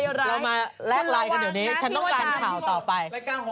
เรามาแลกไลน์กันเดี๋ยวนี้ฉันต้องการข่าวต่อไป